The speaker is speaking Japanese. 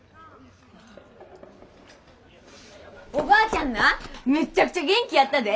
おばあちゃんなめっちゃくちゃ元気やったで。